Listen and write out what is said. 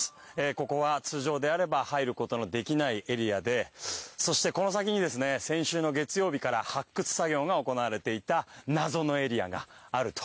ここは通常であれば入ることのできないエリアで先週の月曜日から発掘作業が行われていた謎のエリアがあると。